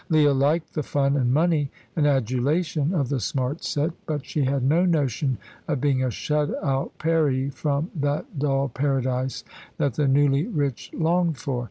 Leah liked the fun and money and adulation of the smart set, but she had no notion of being a shut out Peri from that dull paradise that the newly rich longed for.